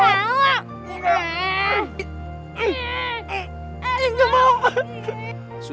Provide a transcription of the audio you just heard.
enggak enggak mau